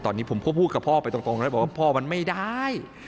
ตอนนี้ผมพูดกับพอไปตรงเลยพอมันไม่ได้